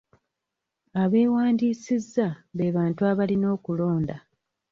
Abeewandisiza be bantu abalina okulonda.